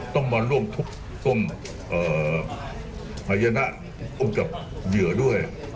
ต้องมาร่วมทุกข์ภัยนะร่วมกับเหยื่อด้วย